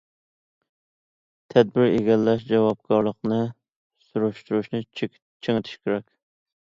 تەدبىر بەلگىلەش جاۋابكارلىقىنى سۈرۈشتۈرۈشنى چىڭىتىش كېرەك.